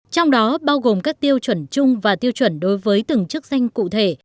trong đó bao gồm các tiêu chuẩn chung và tiêu chuẩn đối với từng chức danh cụ thể